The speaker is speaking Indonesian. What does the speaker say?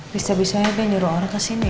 bisa bisa aja dia nyuruh orang kesini ya